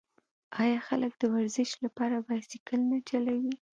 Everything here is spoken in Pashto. آیا خلک د ورزش لپاره بایسکل نه چلوي؟